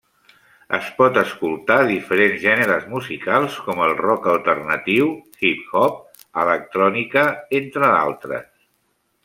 Es pot escoltar diferents gèneres musicals com el rock alternatiu, hip-hop, electrònica entre d'altres.